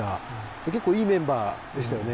結構いいメンバーでしたよね